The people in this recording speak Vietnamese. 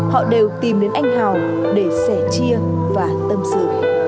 họ đều tìm đến anh hào để sẻ chia và tâm sự